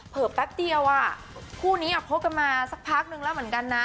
แป๊บเดียวคู่นี้คบกันมาสักพักนึงแล้วเหมือนกันนะ